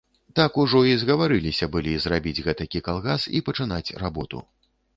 Так ужо і згаварыліся былі зрабіць гэтакі калгас і пачынаць работу.